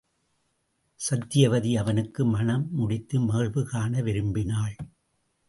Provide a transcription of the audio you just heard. சத்தியவதி அவனுக்கு மணம் முடித்து மகிழ்வு காண விரும்பினாள்.